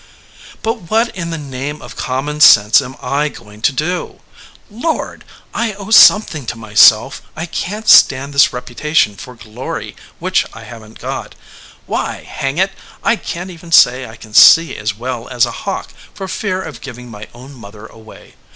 "But what in the name of common sense am I going to do? Lord! I owe something to myself. I can t stand this reputation for glory which I haven t got. Why, hang it! I can t even say I can see as well as a hawk, for fear of giving my own mother away.